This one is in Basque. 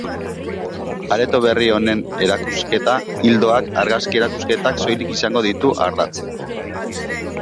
Areto berri honen erakusketa-ildoak argazki-erakusketak soilik izango ditu ardatz.